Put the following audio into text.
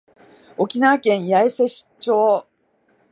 沖縄県八重瀬町